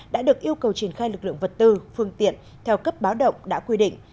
đã được yêu cầu triển khai lực lượng vật tư phương tiện theo cấp báo động đã quy định